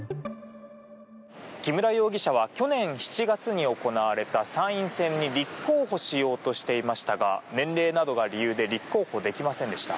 木村容疑者は去年７月に行われた参院選に立候補しようとしていましたが年齢などが理由で立候補できませんでした。